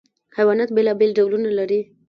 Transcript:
حیوانات بېلابېل ډولونه لري.